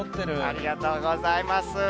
ありがとうございます。